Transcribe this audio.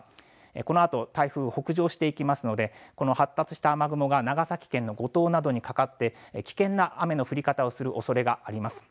このあと台風、北上していきますのでこの発達した雨雲が長崎県の五島などにかかって危険な雨の降り方をするおそれがあります。